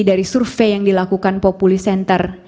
dari survei yang dilakukan populi center